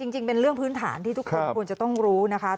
จริงเป็นเรื่องพื้นฐานที่ทุกคนควรจะต้องรู้นะคะ